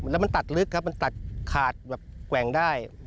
แล้วมันตัดลึกครับมันตัดขาดแบบแกว่งได้